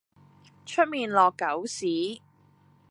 出面落狗屎